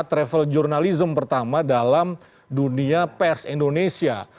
travel journalism pertama dalam dunia pers indonesia